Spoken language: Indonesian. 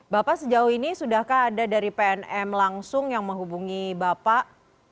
bapak sejauh ini sudahkah ada dari pnm langsung yang menghubungi bapak